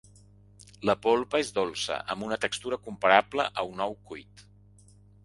La polpa és dolça amb una textura comparable a un ou cuit.